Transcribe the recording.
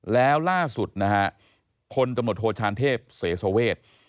แล้วล่าสุดนะฮะพลตำรวจโทชานเทพเสสเวท